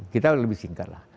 kita lebih singkat